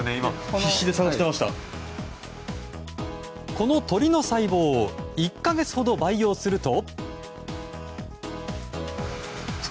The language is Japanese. この鶏の細胞を１か月ほど培養すると。